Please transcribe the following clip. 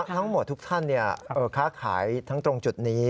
ทั้งหมดทุกท่านค้าขายทั้งตรงจุดนี้